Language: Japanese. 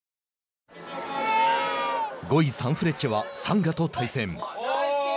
５位、サンフレッチェはサンガと対戦。